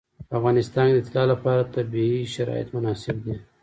په افغانستان کې د طلا لپاره طبیعي شرایط مناسب دي.